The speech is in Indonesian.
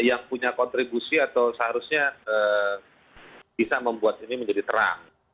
yang punya kontribusi atau seharusnya bisa membuat ini menjadi terang